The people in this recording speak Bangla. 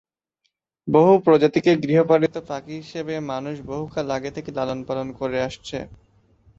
বহু প্রজাতিকে গৃহপালিত পাখি হিসেবে মানুষ বহুকাল আগে থেকে লালন-পালন করে আসছে।